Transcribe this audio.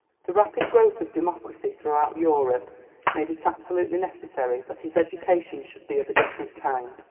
The rapid growth of democracy throughout Europe made it absolutely necessary that his education should be of a different kind.